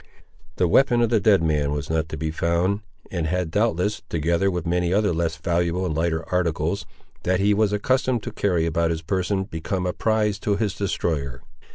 The weapon of the dead man was not to be found, and had doubtless, together with many other less valuable and lighter articles, that he was accustomed to carry about his person, become a prize to his destroyer.